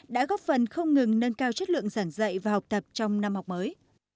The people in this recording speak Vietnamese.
đã góp phần không ngừng nâng cao chất lượng giảng dạy và học tập trong năm học mới